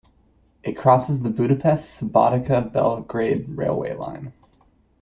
It crosses the Budapest-Subotica-Belgrade railway line.